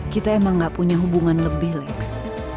kita emang gak punya hubungan lebih lex